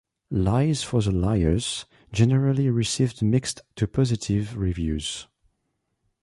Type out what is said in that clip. "Lies for the Liars" generally received mixed to positive reviews.